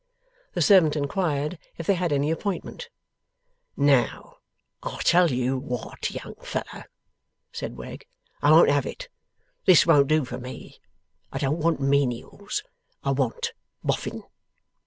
The servant inquired if they had any appointment? 'Now, I tell you what, young fellow,' said Wegg, 'I won't have it. This won't do for me. I don't want menials. I want Boffin.